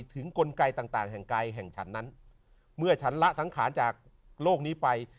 กลไกต่างแห่งไกลแห่งฉันนั้นเมื่อฉันละสังขารจากโลกนี้ไป